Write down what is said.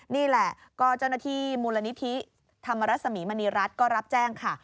นี่แหละก็เจ้าหน้าที่มูลนิธิธรรมรสมีมณีรัฐก็รับแจ้งค่ะ